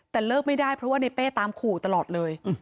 แต่เลิกไม่ได้เพราะว่าในเป้ตามขู่ตลอดเลย